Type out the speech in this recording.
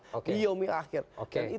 tidak sesuai dengan nilai keadilan